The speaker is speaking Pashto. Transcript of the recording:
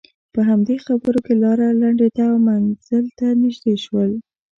په همدې خبرو کې لاره لنډېده او منزل ته نژدې شول.